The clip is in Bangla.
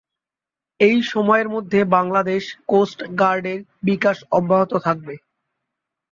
এই সময়ের মধ্যে বাংলাদেশ কোস্ট গার্ডের বিকাশ অব্যাহত থাকবে।